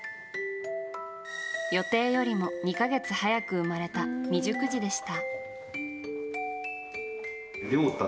予定よりも２か月早く生まれた未熟児でした。